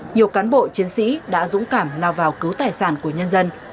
nhiều cán bộ chiến sĩ đã dũng cảm nào vào cứu tài sản của nhân dân